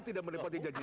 tidak melepati janjinya